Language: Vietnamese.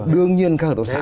đương nhiên các hợp tổ xã